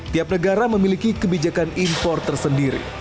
tiap negara memiliki kebijakan importer sendiri